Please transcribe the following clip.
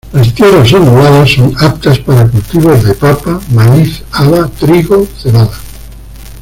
Las tierras onduladas son aptas para cultivos de papa, maíz, haba, trigo, cebada.